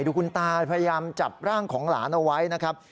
ดูคุณตาพยายามจับร่างของหลานเอาไว้นะครับ